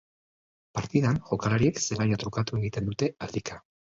Partidan, jokalariek zelaia trukatu egiten dute aldika.